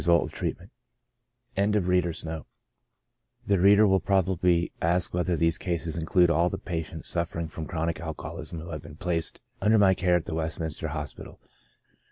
Having glanced at the synoptical table, the reader will probably ask whether these cases include all the patients suffering from chronic alcoholism who have been placed under my care at the Westminster Hospital.